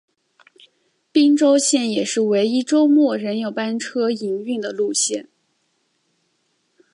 宾州线也是唯一周末仍有班车营运的路线。